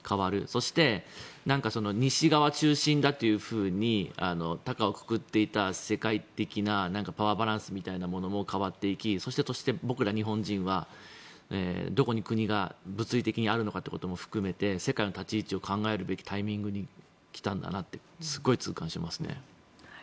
そして、西側中心だというふうに高をくくっていた、世界的なパワーバランスみたいなものも変わっていきそして僕ら日本人はどこに国が物理的にあるのかということも含めて世界の立ち位置を考えるべきタイミングに来たんだなとすごい痛感しますね。